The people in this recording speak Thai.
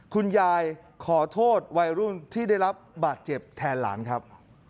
คุณยายขอโทษวัยรุ่นที่ได้รับบาดเจ็บแทนหลานครับ